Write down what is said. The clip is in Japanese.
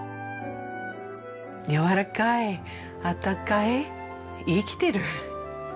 やわらかいあったかい生きてる。